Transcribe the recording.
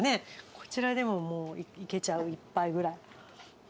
こちらでももういけちゃう１杯くらい。